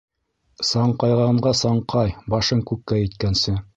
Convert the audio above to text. Саңҡайғанға саңҡай, башың күккә еткәнсе;